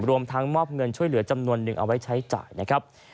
รวมทั้งมอบเงินช่วยเหลือจำนวนหนึ่งเอาไว้ใช้จ่ายนะครับ